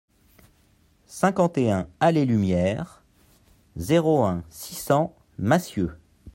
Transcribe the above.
cinquante et un allée Lumière, zéro un, six cents Massieux